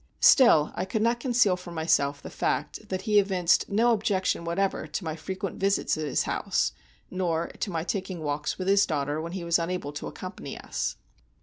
Still, I could not conceal from myself the fact, that he evinced no objection whatever to my frequent visits at his house, nor to my taking walks with his daughter when he was unable to accompany us.